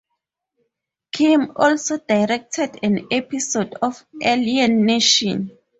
Kim also directed an episode of "Alien Nation".